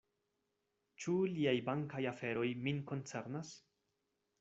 Ĉu liaj bankaj aferoj min koncernas?